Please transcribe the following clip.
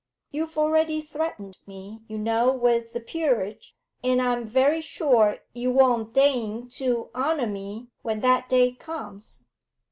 You've already threatened me, you know, with the peerage, and I'm very sure you won't deign to honour me when that day comes.